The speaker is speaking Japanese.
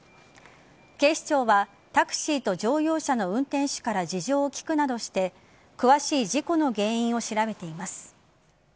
警視庁はタクシーと乗用車の運転手から事情を聴くなどして詳しい事故の原因を調べています。